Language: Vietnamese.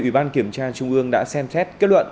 ủy ban kiểm tra trung ương đã xem xét kết luận